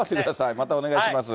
またお願いします。